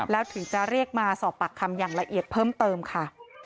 แล้วถึงจะเรียกมาสอบปากคำอย่างละเอียดเพิ่มเติมค่ะ